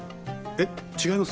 えっ違います？